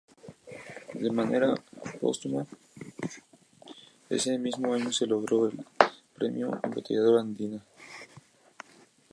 De manera póstuma, ese mismo año se le otorgó el Premio Embotelladora Andina.